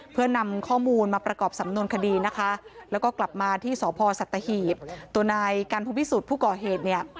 เพื่อนำข้อมูลมาประกอบสำนวนคดีนะคะแล้วก็กลับมาที่ตัวนายการพงพิสูจน์ผู้ก่อเหตุเนี่ย